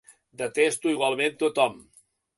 Detesto igualment tothom.